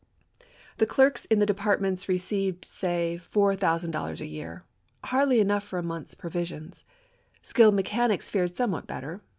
The clerks in the depart ments received say four thousand dollars a year, hardly enough for a month's provisions. Skilled mechanics fared somewhat better.